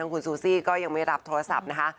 คุณซูซี่ก็ยังไม่รับโทรศัพท์นะคะ